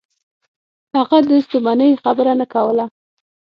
هغه د ستومنۍ خبره نه کوله.